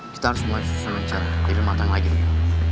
kita harus mulai susah mencari diri matang lagi bu